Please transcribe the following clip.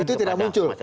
itu tidak muncul